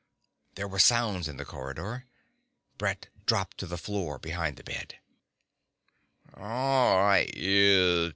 There were sounds in the corridor. Brett dropped to the floor behind the bed.